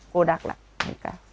cô đặt lại